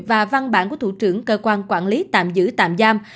và văn bản của thủ trưởng cơ quan quản lý tạm giữ tạm giam